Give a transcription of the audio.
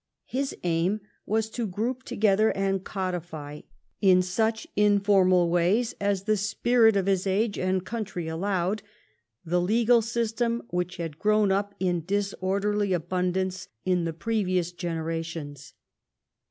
His aim was to group together and codify, in such informal ways as the spirit of his age and country allowed, the legal system which had grown up in disorderly abundance in the previous generations.